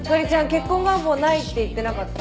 結婚願望ないって言ってなかった？